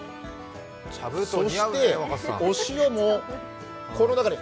そして、お塩もこの中に。